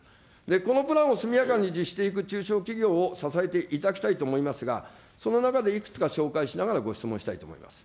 このプランを速やかに実施していく中小企業を支えていただきたいと思いますが、その中でいくつか紹介しながら、ご質問したいと思います。